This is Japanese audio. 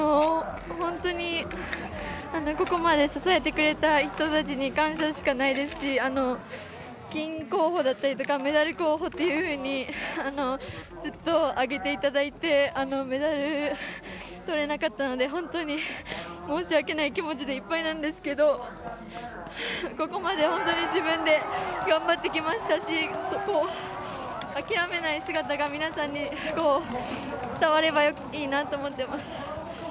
本当にここまで支えてくれた人たちに感謝しかないですし金候補とかメダル候補っていうふうにずっと上げていただいてメダルとれなかったので本当に申し訳ない気持ちでいっぱいなんですけどここまで本当に自分で頑張ってきましたし諦めない姿が皆さんに伝わればいいなと思ってます。